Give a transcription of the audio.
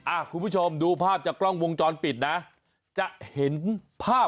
อ่าคุณผู้ชมดูภาพจากกล้องวงจรปิดนะ